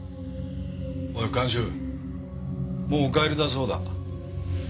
おい看守もうお帰りだそうだ。